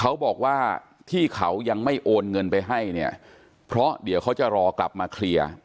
เขาบอกว่าที่เขายังไม่โอนเงินไปให้เนี่ยเพราะเดี๋ยวเขาจะรอกลับมาเคลียร์